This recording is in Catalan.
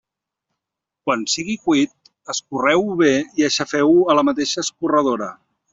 Quan sigui cuit, escorreu-ho bé i aixafeu-ho a la mateixa escorredora.